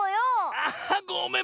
あごめん！